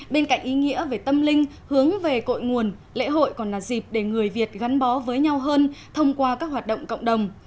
bên cạnh ý nghĩa về tâm linh hướng về cội nguồn lễ hội còn là dịp để người việt gắn bó với nhau hơn thông qua các hoạt động cộng đồng